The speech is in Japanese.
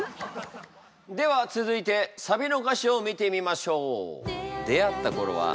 では続いてサビの歌詞を見てみましょう。